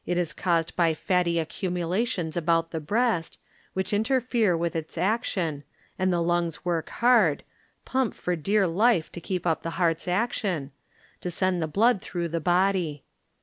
is caused by fatty accumulations about the breast,' which interfere with its ac tion, and the lungs work hard ŌĆö pump for dear life to keep up the heart's action ŌĆö to send the blood through the body.